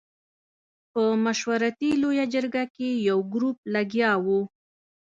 په مشورتي لویه جرګه کې یو ګروپ لګیا وو.